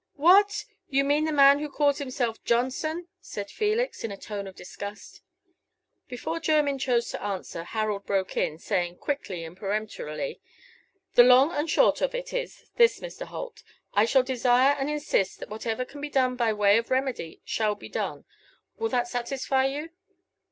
"What! you mean the man who calls himself Johnson?" said Felix, in a tone of disgust. Before Jermyn chose to answer, Harold broke in, saying, quickly and peremptorily, "The long and short of it is this, Mr. Holt: I shall desire and insist that whatever can be done by way of remedy shall be done. Will that satisfy you?